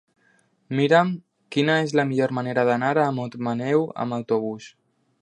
Mira'm quina és la millor manera d'anar a Montmaneu amb autobús.